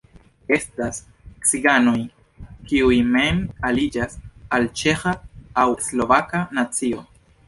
Estas ciganoj, kiuj mem aliĝas al ĉeĥa, aŭ slovaka nacio.